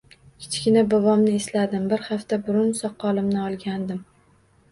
Kichkina bobomni esladim, bir hafta burun soqolimni olgandim